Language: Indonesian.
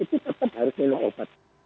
itu tetap harus minum obat